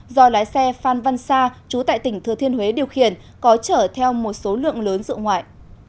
do lái xe phan văn sa trú tại tỉnh thừa thiên huế điều khiển có chở theo một số lượng lớn rượu ngoại